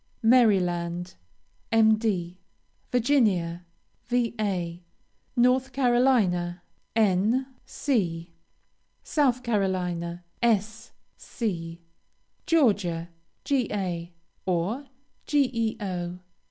Maryland, Md. Virginia, Va. North Carolina, N. C. South Carolina, S. C. Georgia, Ga., or, Geo.